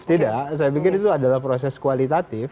tidak saya pikir itu adalah proses kualitatif